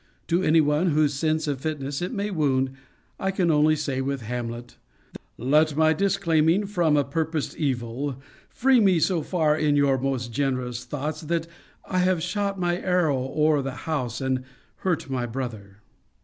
To any one whose sense of fitness it may wound, I can only say with Hamlet "Let my disclaiming from a purposed evil Free me so far in your most generous thoughts That I have shot my arrow o'er the house, And hurt my brother."